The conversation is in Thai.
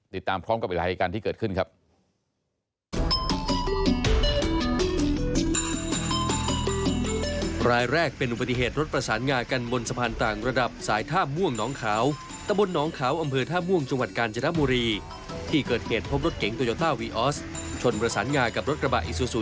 ติดตามพร้อมกับอีกหลายเหตุการณ์ที่เกิดขึ้นครับ